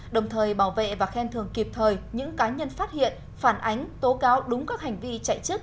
đồng thời bảo vệ và khen thường kịp thời những cá nhân phát hiện phản ánh tố cáo đúng các hành vi chạy chức